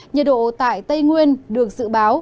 nhiệt độ tại tây nguyên được dự báo